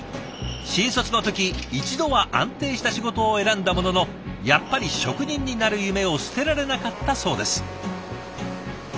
新卒の時一度は安定した仕事を選んだもののやっぱり職人になる夢を捨てられなかったそうです。